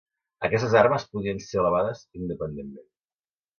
Aquestes armes podien ser elevades independentment.